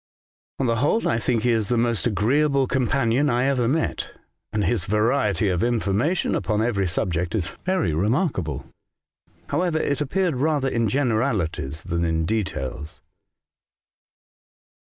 '' On the whole, I think he is the most agreeable companion I ever met, and his variety of information upon every subject is very remarkable. However, it appeared rather in generalities than in details.